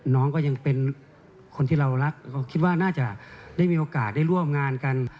น้องก็ยังเป็นคนที่เรารักก็คิดว่าน่าจะได้มีโอกาสได้ร่วมงานกัน